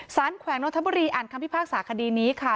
แขวงนทบุรีอ่านคำพิพากษาคดีนี้ค่ะ